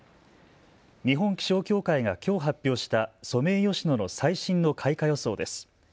日本気象協会がきょう発表したソメイヨシノの最新の開花予想です。